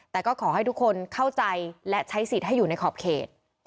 แต่ก็ขอให้ทุกคนเข้าใจและใช้สิทธิ์ให้อยู่ในขอบเขต